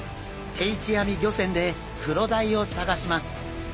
定置網漁船でクロダイを探します。